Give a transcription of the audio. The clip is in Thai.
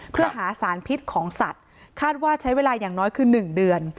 เพื่อหาสารพิษของสัตว์คาดว่าใช้เวลาอย่างน้อยคือ๑เดือน